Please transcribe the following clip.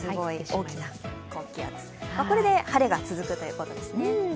これで晴れが続くということですね。